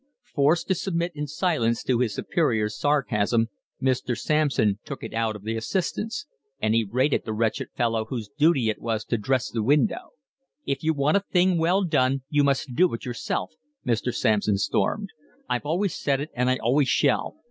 Forced to submit in silence to his superior's sarcasm, Mr. Sampson took it out of the assistants; and he rated the wretched fellow whose duty it was to dress the window. "If you want a thing well done you must do it yourself," Mr. Sampson stormed. "I've always said it and I always shall.